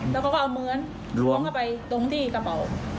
แล้วก็เอาเมื้อนล้วงไปตรงที่กระเป๋า